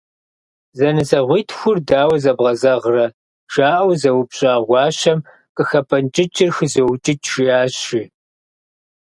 «Зэнысэгъуитхур дауэ зэбгъэзэгърэ?» - жаӏэу зэупщӏа гуащэм, «Къыхэпӏэнкӏыкӏыр хызоукӏыкӏ» - жиӏащ, жи.